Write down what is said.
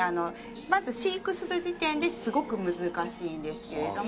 まず飼育する時点ですごく難しいんですけれども。